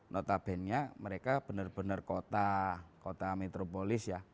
notabene nya mereka benar benar kota metropolis ya